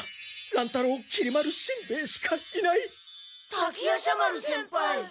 滝夜叉丸先輩。